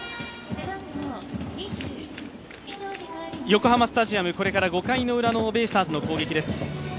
横浜スタジアム、これから５回のウラのベイスターズの攻撃です。